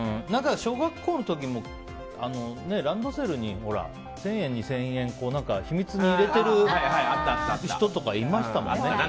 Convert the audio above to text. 小学校の時もランドセルに１０００円、２０００円秘密に入れている人とかいましたもんね。